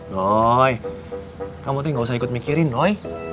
doi kamu tuh gak usah ikut mikirin doi